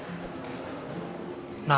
dia masih butuh aku